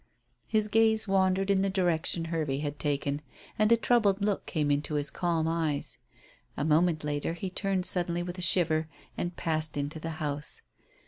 His gaze wandered in the direction Hervey had taken, and a troubled look came into his calm eyes. A moment later he turned suddenly with a shiver and passed into the house.